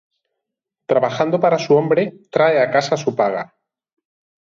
Trabajando para su hombre, trae a casa su paga.